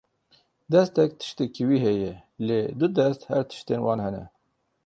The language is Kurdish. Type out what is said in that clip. Destek tiştekî wî heye, lê du dest her tiştên wan hene.